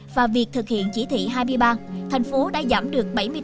và việc thực hiện chỉ thị hai mươi ba thành phố đã giảm được bảy mươi tám số vụ xây dựng